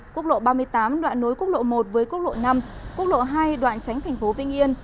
quốc lộ ba mươi tám đoạn nối quốc lộ một với quốc lộ năm quốc lộ hai đoạn tránh thành phố vinh yên